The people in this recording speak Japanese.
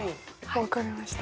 分かりました。